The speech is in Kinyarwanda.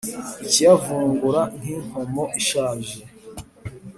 ikayivungura nk’inkomo ishaje